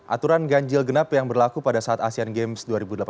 aturan ganjil genap yang berlaku pada saat asean games dua ribu delapan belas